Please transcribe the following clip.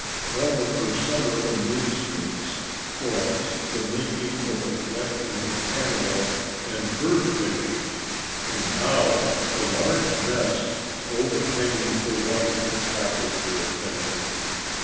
One of her summer amusements was the making of a collection of animal and bird pictures, and now a large nest overhanging the water attracted her attention.